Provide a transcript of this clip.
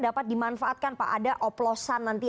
dapat dimanfaatkan pak ada oplosan nanti